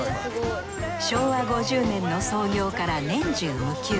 昭和５０年の創業から年中無休。